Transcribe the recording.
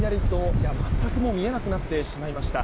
いや、全く見えなくなってしまいました。